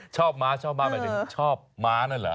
ม้าชอบม้าหมายถึงชอบม้านั่นเหรอ